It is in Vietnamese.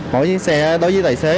mỗi chiếc xe đó đối với tài xế